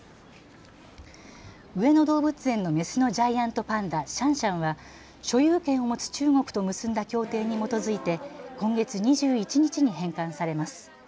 上野動物園のメスのジャイアントパンダ、シャンシャンは所有権を持つ中国と結んだ協定に基づいて今月２１日に返還されます。